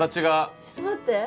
えちょっと待って。